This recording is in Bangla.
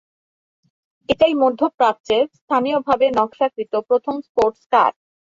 এটাই মধ্যপ্রাচ্যের স্থানীয়ভাবে নকশাকৃত প্রথম স্পোর্টস কার।